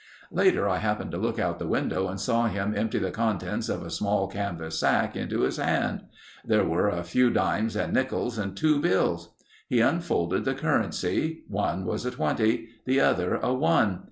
Later I happened to look out the window and saw him empty the contents of a small canvas sack into his hand. There were a few dimes and nickels and two bills. He unfolded the currency. One was a twenty. The other, a one.